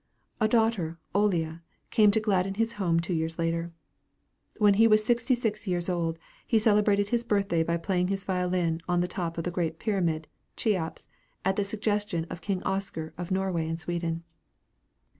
A daughter, Olea, came to gladden his home two years later. When he was sixty six years old, he celebrated his birthday by playing his violin on the top of the great pyramid, Cheops, at the suggestion of King Oscar of Norway and Sweden.